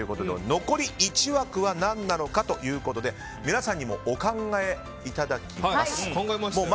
残り１枠は何なのかということで皆さんにもお考えいただきます。